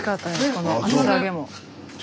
この厚揚げも。